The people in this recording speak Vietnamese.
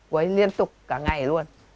cô ấy liên tục cả ngày luôn